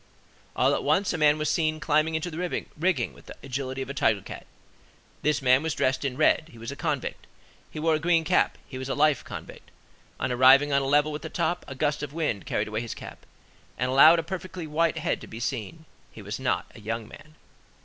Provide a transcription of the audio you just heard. All at once a man was seen climbing into the rigging with the agility of a tiger cat; this man was dressed in red; he was a convict; he wore a green cap; he was a life convict. On arriving on a level with the top, a gust of wind carried away his cap, and allowed a perfectly white head to be seen: he was not a young man.